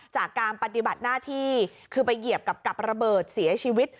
จากการปฏิบัติหน้าที่คือไปเหยียบกับระเบิดเสียชีวิต